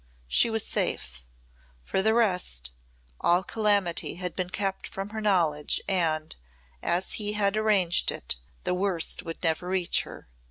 She was safe. For the rest, all calamity had been kept from her knowledge and, as he had arranged it, the worst would never reach her.